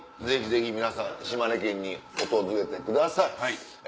ぜひぜひ皆さん島根県に訪れてください。